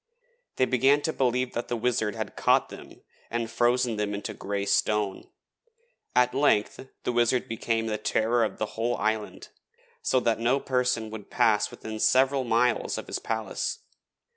They began to believe that the Wizard had caught them and frozen them into grey stone. At length the Wizard became the terror of the whole island, so that no person would pass within several miles of his palace.